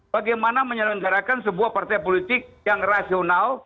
bagaimana menyelenggarakan sebuah partai politik yang rasional